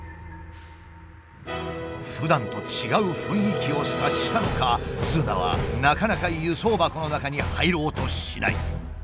ふだんと違う雰囲気を察したのかズーナはなかなか輸送箱の中に入ろうとしない。